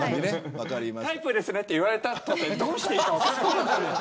タイプですって言われた後どうしていいか分からない。